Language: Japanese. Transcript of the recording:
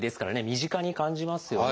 身近に感じますよね。